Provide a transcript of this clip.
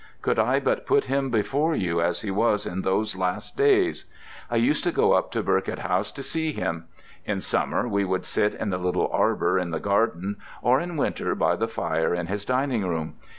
Could I but put him before you as he was in those last days! I used to go up to Burkitt House to see him: in summer we would sit in the little arbour in the garden, or in winter by the fire in his dining room.